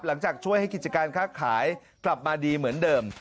หลังจากช่วยให้กิจการค้าขายกลับมาดีเหมือนเดิม